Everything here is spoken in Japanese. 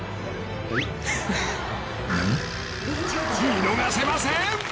［見逃せません］